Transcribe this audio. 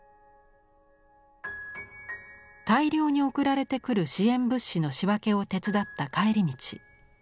大量に送られてくる支援物資の仕分けを手伝った帰り道。